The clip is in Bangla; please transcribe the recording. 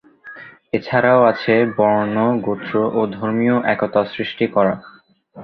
এছাড়াও আছে বর্ণ, গোত্র, ও ধর্মীয় একতা সৃষ্টি করা।